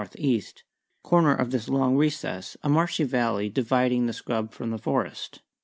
E.) corner of this long recess a marshy valley dividing the scrub from the forest.